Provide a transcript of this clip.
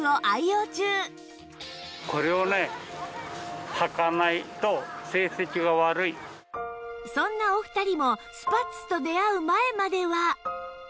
実はそんなお二人もスパッツと出会う前までは